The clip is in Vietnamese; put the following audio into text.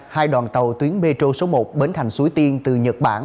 hai đoàn tàu tuyến metro số một bến thành suối tiên từ nhật bản